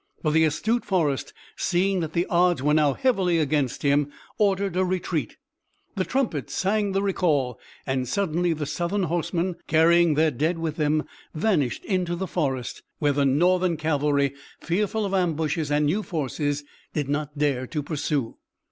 But the astute Forrest, seeing that the odds were now heavily against him, ordered a retreat. The trumpets sang the recall and suddenly the Southern horsemen, carrying their dead with them, vanished in the forest, where the Northern cavalry, fearful of ambushes and new forces, did not dare to pursue.